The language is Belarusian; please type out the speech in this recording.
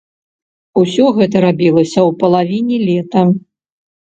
Усё гэта рабілася ў палавіне лета.